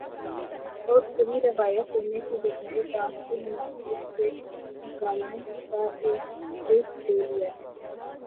اور پوری روایت لینے کے بجائے باب کی مناسبت سے مکالمے کا ایک جز لے لیا ہے